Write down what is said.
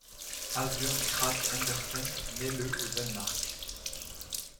Asbjørn Kragh Andersen naît le au Danemark.